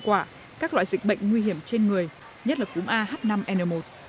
quả các loại dịch bệnh nguy hiểm trên người nhất là cúm a h năm n một